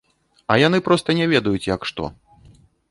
А яны проста не ведаюць, як што.